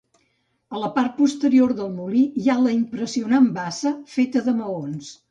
A la part posterior del molí, hi ha la impressionant bassa, feta de maons.